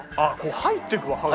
入っていくわ刃が。